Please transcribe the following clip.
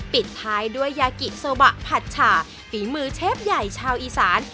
ปิดท้ายด้วยยากิโซบะผัดฉาฝีมือเชฟใหญ่ชาวอีสาน